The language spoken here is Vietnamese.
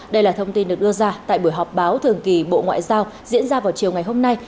đây là thông tin được đưa ra tại buổi họp báo thường kỳ bộ ngoại giao diễn ra vào chiều ngày hôm nay